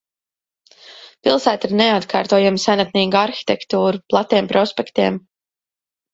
Pilsēta ar neatkārtojamu senatnīgu arhitektūru, platiem prospektiem.